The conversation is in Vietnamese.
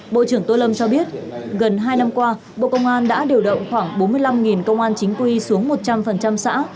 bộ trưởng tô lâm cho biết gần hai năm qua bộ công an đã điều động khoảng bốn mươi năm công an chính quy xuống một trăm linh xã